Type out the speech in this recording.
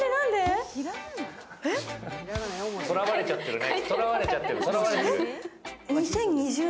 とらわれちゃってるね。